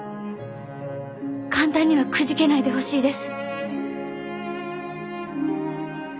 簡単にはくじけないでほしいです。